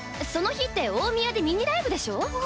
その日って大宮でミニライブでしょ？